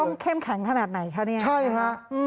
ต้องเข้มขันขนาดไหนคะนี่ใช่ฮะ